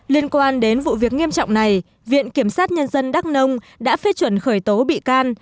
liên quan đến vụ việc nghiêm trọng này viện kiểm sát nhân dân đắk nông đã phê chuẩn khởi tố bị can